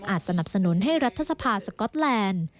อาจจะนับสนุนรัฐสภาสก็อตแลนด์